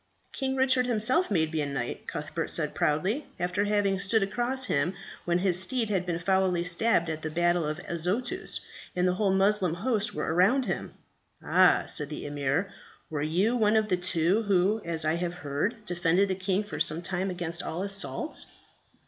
"King Richard himself made me a knight," Cuthbert said proudly, "after having stood across him when his steed had been foully stabbed at the battle of Azotus, and the whole Moslem host were around him." "Ah!" said the emir, "were you one of the two who, as I have heard, defended the king for some time against all assaults?